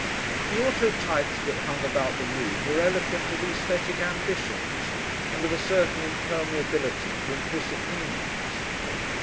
The autotypes that hung about the room were eloquent of aesthetic ambitions and of a certain impermeability to implicit meanings.